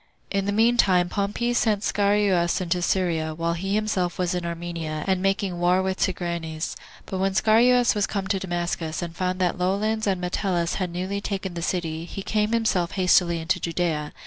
3. In the mean time Pompey sent Scaurus into Syria, while he was himself in Armenia, and making war with Tigranes; but when Scaurus was come to Damascus, and found that Lollins and Metellus had newly taken the city, he came himself hastily into Judea.